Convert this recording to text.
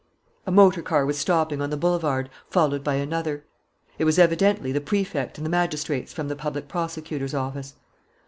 A motor car was stopping on the boulevard, followed by another. It was evidently the Prefect and the magistrates from the public prosecutor's office.